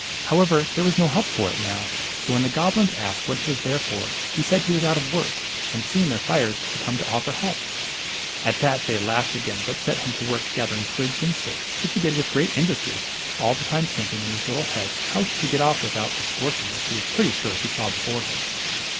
However, there was no help for it now, so when the goblins asked what he was there for, he said he was out of work, and seeing their fires, had come to offer help. At that they laughed again, but set him to work gathering twigs and sticks, which he did with great industry, all the time thinking in his little head how he should get off without the scorching which he was pretty sure he saw before him.